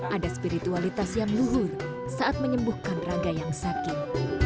ada spiritualitas yang luhur saat menyembuhkan raga yang sakit